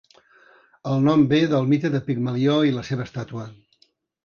El nom ve del mite de Pigmalió i la seva estàtua.